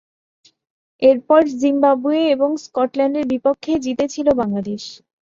এরপর জিম্বাবুয়ে ও স্কটল্যান্ডের বিপক্ষে জিতেছিল বাংলাদেশ।